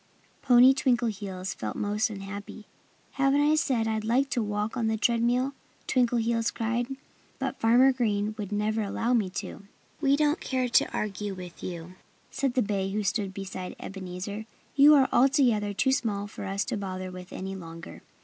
Poor Twinkleheels felt most unhappy. "Haven't I said I'd like to walk on the tread mill?" Twinkleheels cried. "But Farmer Green would never allow me to." "We don't care to argue with you," said the bay who stood beside Ebenezer. "You are altogether too small for us to bother with any longer."